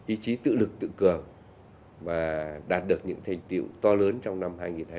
ý chí tự lực tự cường và đạt được những thành tiệu to lớn trong năm hai nghìn hai mươi ba